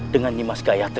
dengan nimas gayatri